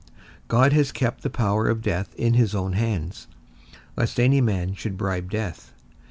God hath kept the power of death in his own hands, lest any man should bribe death.